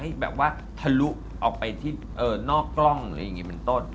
แบบว่าทะลุออกไปที่นอกกล้องหรืออย่างนี้เป็นต้น